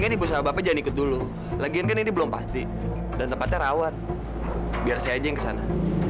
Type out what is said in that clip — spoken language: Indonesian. kalau lo besok ada datang ke tempat gue lihat aja ya